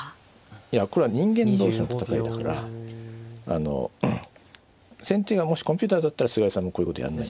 いやこれは人間同士の戦いだから先手がもしコンピューターだったら菅井さんもこういうことやんない。